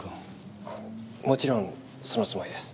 もちろんそのつもりです。